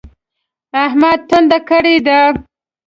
احمد ټنډه کړې ده.